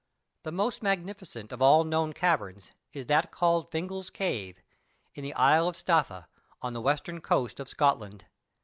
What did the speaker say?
The most magnificent of all known caverns, is that called Fingal's Cave, in the Isle of Staffa, on the western coast of Scotland.